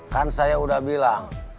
kan saya udah bilang